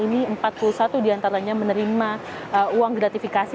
ini empat puluh satu diantaranya menerima uang gratifikasi